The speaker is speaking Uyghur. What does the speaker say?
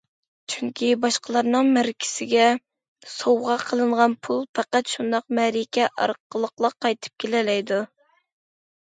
چۈنكى باشقىلارنىڭ مەرىكىسىگە سوۋغا قىلىنغان پۇل پەقەت شۇنداق مەرىكە ئارقىلىقلا قايتىپ كېلەلەيدۇ.